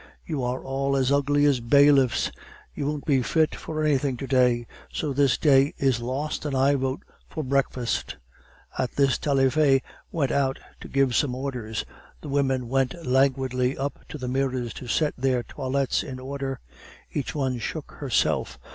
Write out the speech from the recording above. "You are all as ugly as bailiffs. You won't be fit for anything to day, so this day is lost, and I vote for breakfast." At this Taillefer went out to give some orders. The women went languidly up to the mirrors to set their toilettes in order. Each one shook herself.